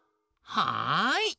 はい！